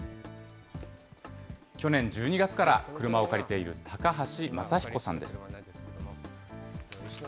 去年１２月から車を借りている高橋雅彦さんです。